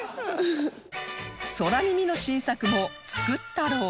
空耳の新作も作っ太郎